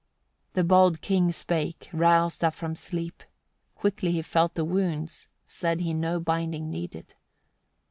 89. The bold king spake, roused up from sleep; quickly he felt the wounds, said he no binding needed.